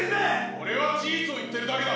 俺は事実を言ってるだけだ！